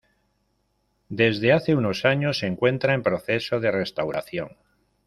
Desde hace unos años se encuentra en proceso de restauración.